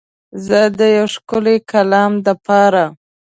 زه د یو ښکلی کلام دپاره